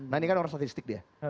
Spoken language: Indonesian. nah ini kan orang statistik dia